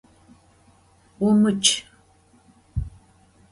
Vumıçç!